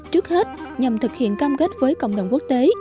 trước hết nhằm thực hiện cam kết với cộng đồng quốc tế